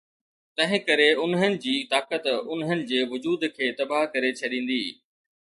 تنهنڪري انهن جي طاقت انهن جي وجود کي تباهه ڪري ڇڏيندي.